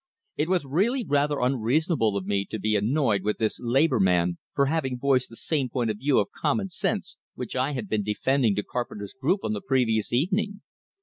It was really rather unreasonable of me to be annoyed with this labor man for having voiced the same point of view of "common sense" which I had been defending to Carpenter's group on the previous evening.